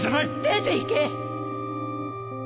出て行け！